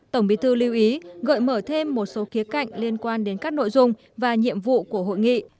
tổng bí thư lưu ý gợi mở thêm một số khía cạnh liên quan đến các nội dung và nhiệm vụ của hội nghị